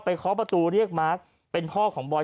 เคาะประตูเรียกมาร์คเป็นพ่อของบอย